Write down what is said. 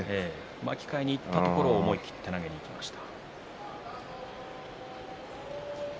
巻き替えにいったところを思い切って投げにいきました。